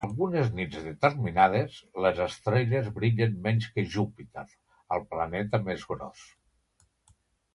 Algunes nits determinades, les estrelles brillen menys que Júpiter, el planeta més gros.